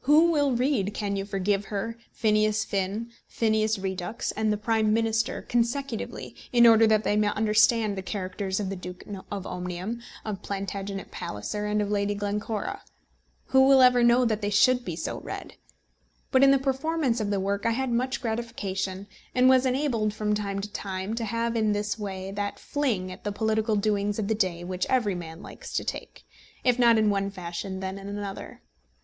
Who will read Can You Forgive Her?, Phineas Finn, Phineas Redux, and The Prime Minister consecutively, in order that they may understand the characters of the Duke of Omnium, of Plantagenet Palliser, and of Lady Glencora? Who will ever know that they should be so read? But in the performance of the work I had much gratification, and was enabled from time to time to have in this way that fling at the political doings of the day which every man likes to take, if not in one fashion then in another.